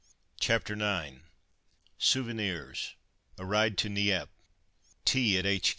CHAPTER IX SOUVENIRS A RIDE TO NIEPPE TEA AT H.